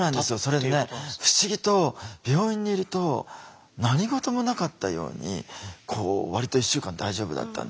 それでね不思議と病院にいると何事もなかったように割と１週間大丈夫だったんですよ。